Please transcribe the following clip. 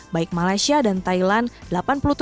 baik malaysia dan thailand